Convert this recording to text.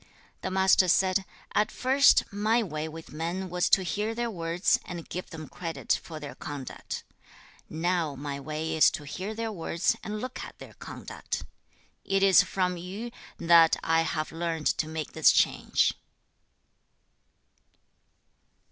2. The Master said, 'At first, my way with men was to hear their words, and give them credit for their conduct. Now my way is to hear their words, and look at their conduct. It is from Yu that I have learned to make this change.'